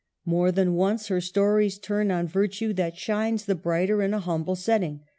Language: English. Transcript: More than once her stories turn on virtue that shines the brighter in a humble setting.